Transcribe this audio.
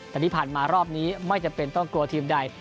แต่ที่ผ่านมารอบนี้ไม่จำเป็นต้องกลัวทีมใด